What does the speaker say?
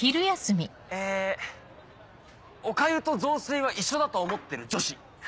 えおかゆと雑炊は一緒だと思ってる女子。